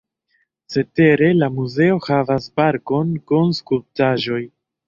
Cetere la muzeo havas parkon kun skulptaĵoj.